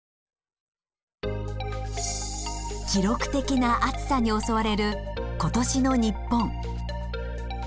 記録的な暑さに襲われる今年の日本。